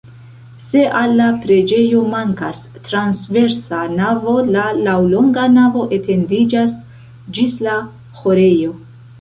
Se al la preĝejo mankas transversa navo, la laŭlonga navo etendiĝas ĝis la ĥorejo.